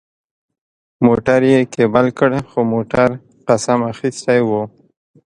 موټر یې کېبل کړ، خو موټر قسم اخیستی و.